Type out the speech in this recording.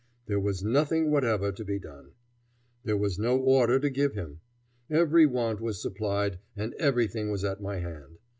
There was nothing whatever to be done. There was no order to give him. Every want was supplied and everything was at my hand.